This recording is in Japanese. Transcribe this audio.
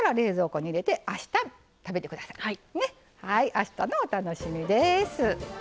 あしたのお楽しみです。